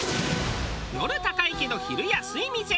夜高いけど昼安い店。